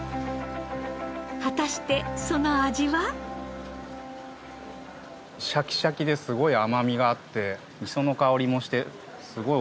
果たしてその味は？シャキシャキですごい甘みがあって磯の香りもしてすごいおいしいです。